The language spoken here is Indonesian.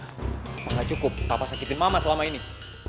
apa nggak cukup papa sakitin mama selama ini